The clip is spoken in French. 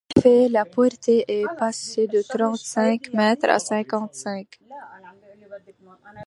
En effet la portée est passée de trente-cinq mètres à cinquante-cinq.